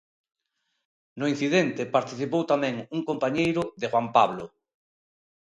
No incidente participou tamén un compañeiro de Juan Pablo.